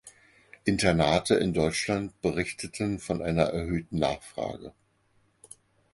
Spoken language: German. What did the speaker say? Internate in Deutschland berichteten von einer erhöhten Nachfrage.